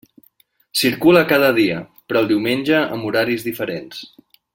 Circula cada dia, però el diumenge amb horaris diferents.